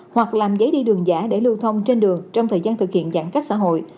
hoặc làm giấy đi đường giả để lưu thông trên đường trong thời gian thực hiện giãn cách xã hội